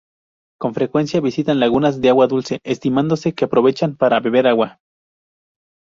Con frecuencia visitan lagunas de agua dulce, estimándose que aprovechan para beber agua.